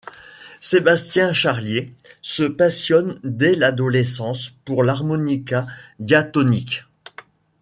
Sébastien Charlier se passionne dès l'adolescence pour l'harmonica diatonique.